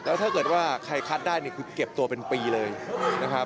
แล้วถ้าเกิดว่าใครคัดได้เนี่ยคือเก็บตัวเป็นปีเลยนะครับ